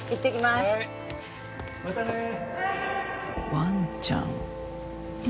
ワンちゃん犬？